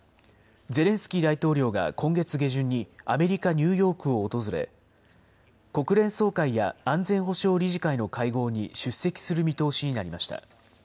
ゼレンスキー大統領が今月下旬に、アメリカ・ニューヨークを訪れ、国連総会や安全保障理事会の会合に出席する見通しになりました。